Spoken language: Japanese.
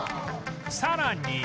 さらに